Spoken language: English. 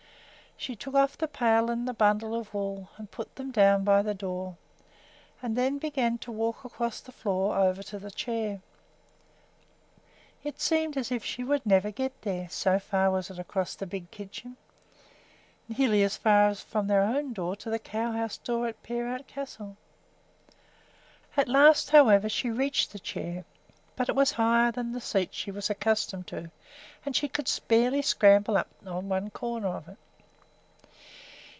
She took off the pail and the bundle of wool and put them down by the door, and then began to walk across the floor over to the chair. It seemed as if she would never get there, so far was it across the big kitchen, nearly as far as from their own door to the cow house door at Peerout Castle. At last, however, she reached the chair; but it was higher than the seats she was accustomed to and she could barely scramble up on one corner of it.